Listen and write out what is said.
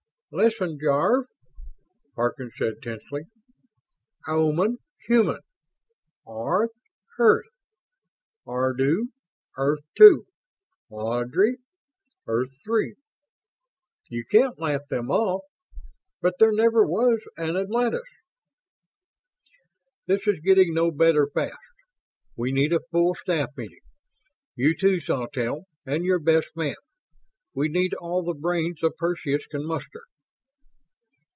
"Listen, Jarve!" Harkins said, tensely. "Oman human. Arth Earth. Ardu Earth Two. Ardry Earth Three. You can't laugh them off ... but there never was an Atlantis!" "This is getting no better fast. We need a full staff meeting. You, too, Sawtelle, and your best man. We need all the brains the Perseus can muster."